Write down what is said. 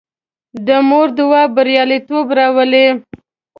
د مور دعا بریالیتوب راولي.